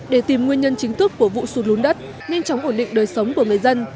để tìm nguyên nhân chính thức của vụ sụt lún đất nhanh chóng ổn định đời sống của người dân